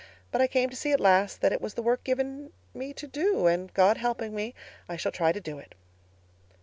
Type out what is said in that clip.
But I came to see at last that it was the work given me to do—and God helping me, I shall try to do it.